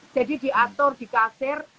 jadi diatur di kasir